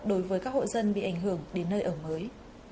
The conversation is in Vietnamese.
đối với các hộ dân bị ảnh hưởng đến nơi ở mới